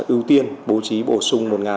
ưu tiên bố trí bổ sung